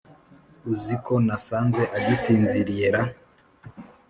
uziko nasanze agisinziriye raaa